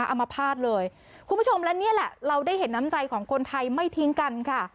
เอามาภาษณ์เลยคุณผู้ชมและนี่แหละเราได้เห็นน้ำใจของคนไทยไม่ทิ้งกันค่ะ